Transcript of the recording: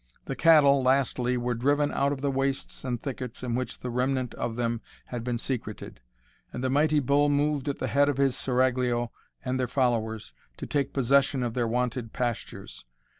The cattle, lastly, were driven out of the wastes and thickets in which the remnant of them had been secreted; and the mighty bull moved at the head of his seraglio and their followers, to take possession of their wonted pastures.